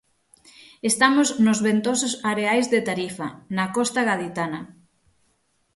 Estamos nos ventosos areais de Tarifa, na costa gaditana.